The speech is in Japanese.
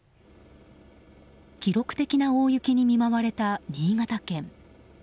記録的な大雪に見舞われた新潟県。